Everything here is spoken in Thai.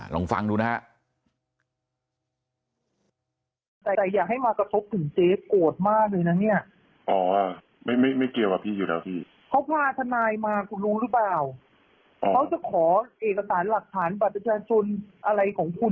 ลองฟังดูนะฮะ